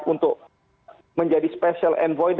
untuk menjadi special envoy dari g dua puluh